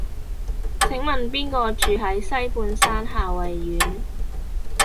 請問邊個住喺西半山夏蕙苑